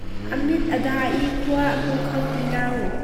A mit a da i khua a hmu kho ti lo.